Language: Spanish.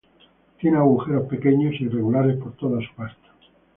Tiene agujeros pequeños e irregulares por toda su pasta.